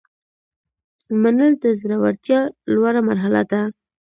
منل د زړورتیا لوړه مرحله ده.